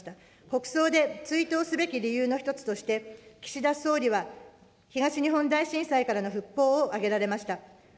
国葬で追悼すべき理由の一つとして、岸田総理は東日本大震災からの復興を挙げられました。